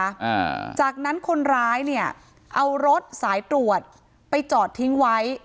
อ่าจากนั้นคนร้ายเนี่ยเอารถสายตรวจไปจอดทิ้งไว้